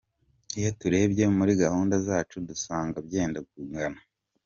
Iyo turebye muri gahunda zacu dusanga byenda kungana.